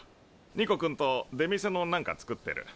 ニコ君と出店の何か作ってる。